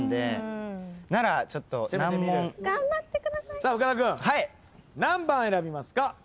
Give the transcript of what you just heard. さあ深田君何番選びますか？